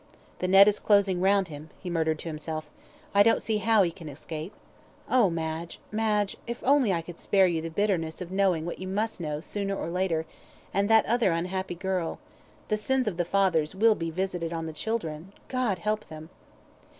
"The net is closing round him," he murmured to himself. "I don't see how he can escape. Oh! Madge! Madge! if only I could spare you the bitterness of knowing what you must know, sooner or later, and that other unhappy girl the sins of the fathers will be visited on the children God help them."